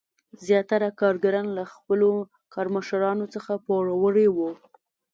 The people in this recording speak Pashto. زیاتره کارګران له خپلو کارمشرانو څخه پوروړي وو.